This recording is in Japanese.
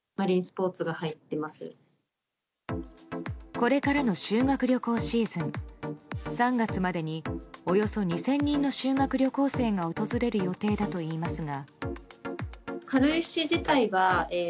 これからの修学旅行シーズン３月までにおよそ２０００人の修学旅行生が訪れる予定だといいますが。